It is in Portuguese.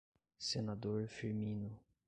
Senador Firmino